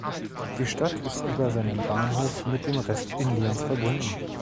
Die Stadt ist über seinen Bahnhof mit dem Rest Indiens verbunden.